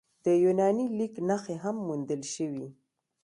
د یوناني لیک نښې هم موندل شوي